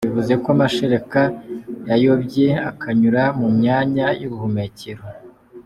bivuze ko amashereka yayobye akanyura mu myanya y’ubuhumekero.